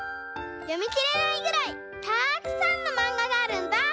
よみきれないぐらいたくさんのまんががあるんだ」。